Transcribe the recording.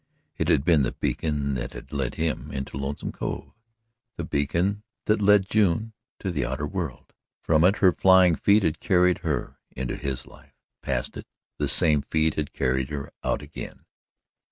It had been the beacon that led him into Lonesome Cove the beacon that led June into the outer world. From it her flying feet had carried her into his life past it, the same feet had carried her out again.